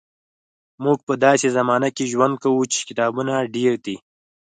موږ په داسې زمانه کې ژوند کوو چې کتابونه ډېر دي.